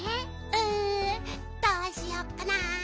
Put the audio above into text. んどうしよっかな？